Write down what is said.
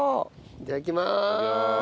いただきます。